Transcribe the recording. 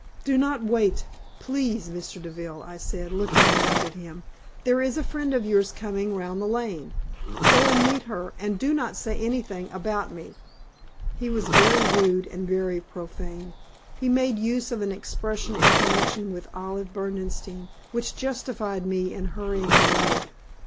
"Do not wait, please, Mr. Deville," I said, looking round at him. "There is a friend of yours coming round the lane. Go and meet her, and do not say anything about me." He was very rude and very profane. He made use of an expression in connection with Olive Berdenstein which justified me in hurrying away.